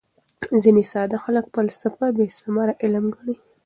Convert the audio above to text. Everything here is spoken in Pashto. ځیني ساده خلک فلسفه بېثمره علم ګڼي.